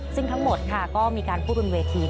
ซึ่งทั้งหมดค่ะก็มีการพูดบนเวที